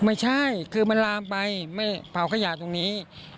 ไม่ใช่คือมันลามไปไม่เผาขยะตรงนี้